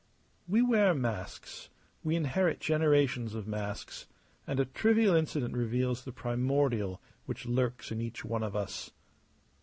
We wear masks, we inherit generations of masks; and a trivial incident reveals the primordial which lurks in each one of us.